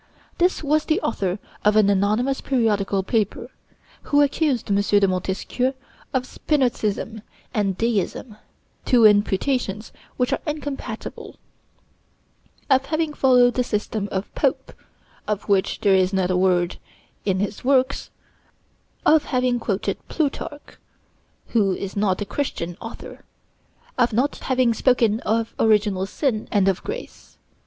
This was the author of an anonymous periodical paper, who accused M. de Montesquieu of Spinozism and deism (two imputations which are incompatible); of having followed the system of Pope (of which there is not a word in his works); of having quoted Plutarch, who is not a Christian author; of not having spoken of original sin and of grace.